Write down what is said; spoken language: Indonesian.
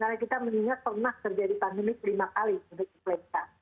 karena kita mengingat pernah terjadi pandemi lima kali untuk influenza